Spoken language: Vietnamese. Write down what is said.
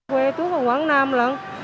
quê tuốt vào quán nam lắm